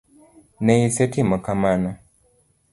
Ne isetimo kamano.